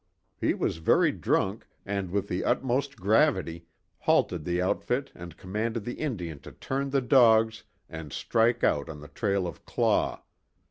He was very drunk, and with the utmost gravity, halted the outfit and commanded the Indian to turn the dogs and strike out on the trail of Claw.